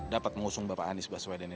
dapat mengusung bapak anies baswedan ini